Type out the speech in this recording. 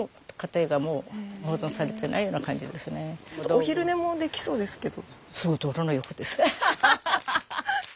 お昼寝もできそうですけど。